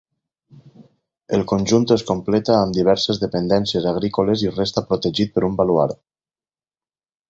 El conjunt es completa amb diverses dependències agrícoles i resta protegit per un baluard.